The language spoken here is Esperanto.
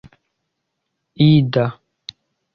ida